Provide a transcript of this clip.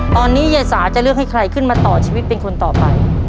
ตอนนี้ยายสาจะเลือกให้ใครขึ้นมาต่อชีวิตเป็นคนต่อไป